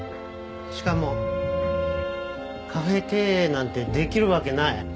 しかもカフェ経営なんてできるわけない。